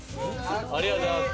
ありがとうございます。